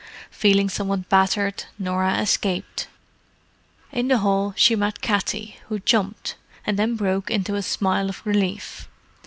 Feeling somewhat battered, Norah escaped. In the hall she met Katty, who jumped—and then broke into a smile of relief.